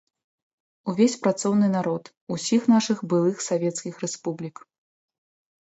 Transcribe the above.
Увесь працоўны народ усіх нашых былых савецкіх рэспублік.